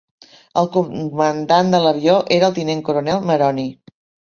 El comandant de l'avió era el tinent coronel Meroni.